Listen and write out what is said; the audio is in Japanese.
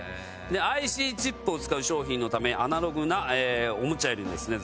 ＩＣチップを使う商品のためアナログなおもちゃよりもですね